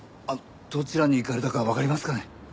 どちらに行かれたかわかりますかね？